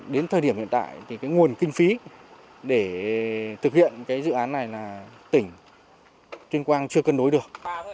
đến thời điểm hiện tại thì cái nguồn kinh phí để thực hiện cái dự án này là tỉnh tuyên quang chưa cân đối được